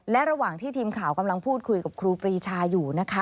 และระหว่างที่ทีมข่าวกำลังพูดคุยกับครูปรีชาอยู่นะคะ